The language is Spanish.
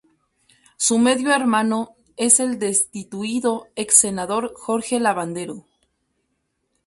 Su medio hermano es el destituido ex-senador Jorge Lavandero.